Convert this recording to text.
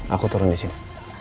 aku turun disini